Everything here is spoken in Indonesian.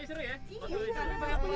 eh tadi seru ya